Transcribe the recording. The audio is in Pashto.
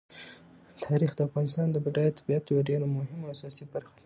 تاریخ د افغانستان د بډایه طبیعت یوه ډېره مهمه او اساسي برخه ده.